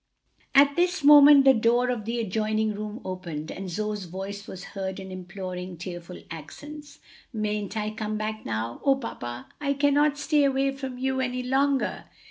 At this moment the door of the adjoining room opened and Zoe's voice was heard in imploring, tearful accents: "Mayn't I come back now? O papa, I cannot stay away from you any longer!"